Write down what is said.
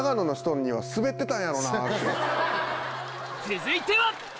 続いては！